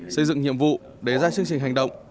xây dựng nhiệm vụ để ra chương trình hành động